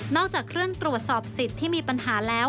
จากเครื่องตรวจสอบสิทธิ์ที่มีปัญหาแล้ว